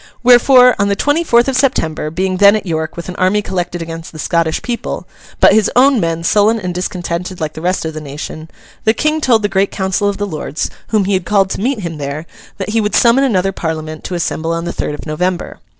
Wherefore, on the twenty fourth of September, being then at York with an army collected against the Scottish people, but his own men sullen and discontented like the rest of the nation, the King told the great council of the Lords, whom he had called to meet him there, that he would summon another Parliament to assemble on the third of November.